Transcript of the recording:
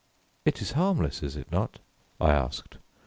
"It is harmless, is it not?" I asked.